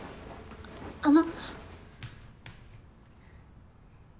あの。